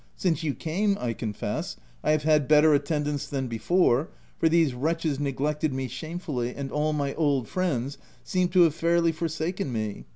Since you came, I confess, I have had better attend ance than before, for these wretches neglected me shamefully, and all my old friends seem to have fairly forsaken me.